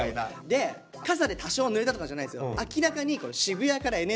で傘で多少ぬれたとかじゃないんですよ。